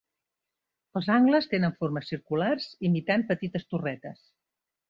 Els angles tenen formes circulars, imitant petites torretes.